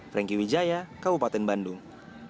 franky widjaya kabupaten bandung